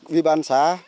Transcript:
viên ban xã